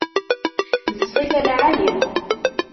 D ssifa lɛali.